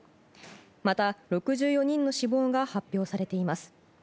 また、６４人の死亡が発表されています。